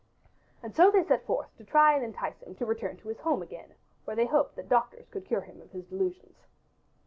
And so they set forth to try and entice him to return to his home again where they hoped that doctors could cure him of his delusions.